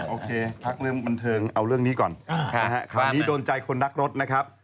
โอเคพักเรื่องบันเทิงเอาเรื่องนี้ก่อนนะฮะคราวนี้โดนใจคนรักรถนะครับ